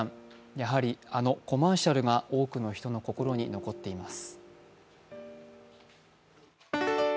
やはりあのコマーシャルが多くの人の心に残っています。